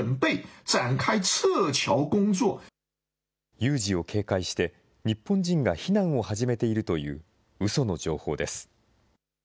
有事を警戒して、日本人が避難を始めているといううその情報です。